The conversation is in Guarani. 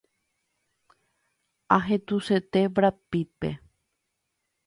Ahetũse Brad Pittpe.